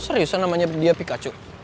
seriusan namanya dia pikachu